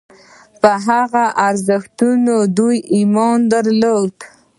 په هغه ارزښتونو دوی ایمان درلود.